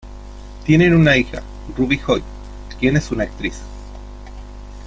Tienen una hija, Ruby Joy, quien es una actriz.